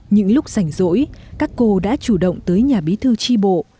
những lúc rảnh rỗi các cô đã chủ động tới nhà bí thư tri bộ